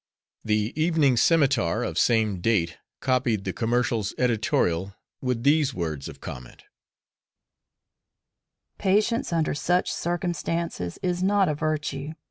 The Evening Scimitar of same date, copied the Commercial's editorial with these words of comment: Patience under such circumstances is not a virtue.